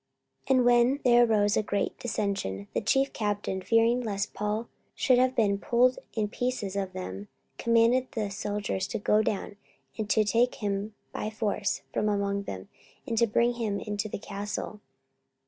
44:023:010 And when there arose a great dissension, the chief captain, fearing lest Paul should have been pulled in pieces of them, commanded the soldiers to go down, and to take him by force from among them, and to bring him into the castle.